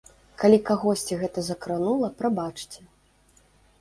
Калі кагосьці гэта закранула, прабачце.